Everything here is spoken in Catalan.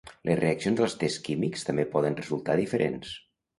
Les reaccions als tests químics també poden resultar diferents.